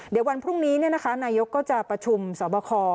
เดี๋ยววันพรุ่งนี้เนี่ยนะคะนายก็จะประชุมสอบคอ